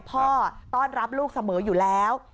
พ่อต้อนรับลูกเสมออยู่แล้ว